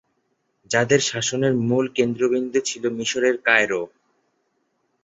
যাদের শাসনের মূল কেন্দ্রবিন্দু ছিল মিশরের কায়রো।